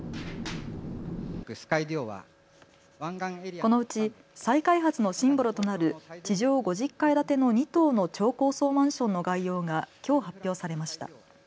このうち再開発のシンボルとなる地上５０階建ての２棟の超高層マンションの概要がきょう発表されました。